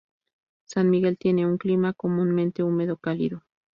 San Miguel tiene un clima comúnmente húmedo cálido.